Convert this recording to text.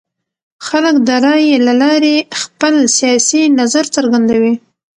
خلک د رایې له لارې خپل سیاسي نظر څرګندوي